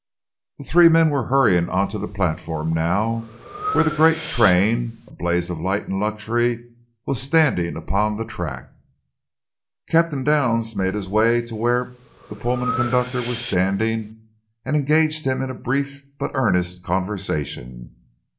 The three men were hurrying out to the platform now, where the great train, a blaze of light and luxury, was standing upon the track. Captain Downs made his way to where the Pullman conductor was standing and engaged him in a brief but earnest conversation.